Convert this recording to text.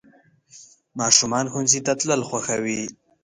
ماشومان ښوونځي ته تلل خوښوي.